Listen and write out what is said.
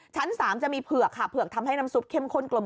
ชั้น๓จะมีเผือกค่ะเผือกทำให้น้ำซุปเข้มข้นกลม